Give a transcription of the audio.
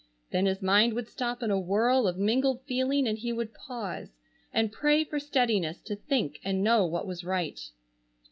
Then his mind would stop in a whirl of mingled feeling and he would pause, and pray for steadiness to think and know what was right.